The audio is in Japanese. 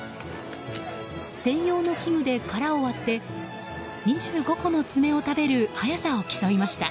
専用の器具で殻を割って２５個の爪を食べる早さを競いました。